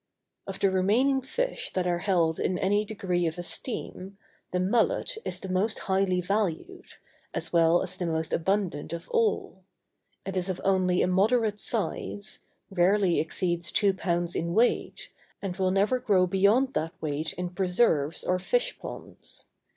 Of the remaining fish that are held in any degree of esteem, the mullet is the most highly valued, as well as the most abundant of all; it is of only a moderate size, rarely exceeds two pounds in weight, and will never grow beyond that weight in preserves or fish ponds.